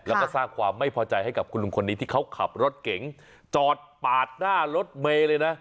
แล้วก็สร้างความไม่พอใจให้กับคุณลุงคนนี้ที่เขาขับรถเก๋งจอดปาดหน้ารถเมย์เลยนะ